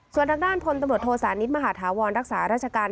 ส่วนด้านด้านพ่นตำรวจโทรศาสตร์นิดมหาธาวรรณรักษาราชการ